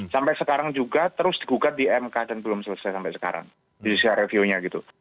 sampai sekarang juga terus digugat di mk dan belum selesai sampai sekarang judicial review nya gitu